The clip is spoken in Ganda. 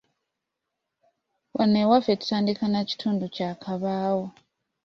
Wano ewaffe tutandika na kintu kyakabaawo.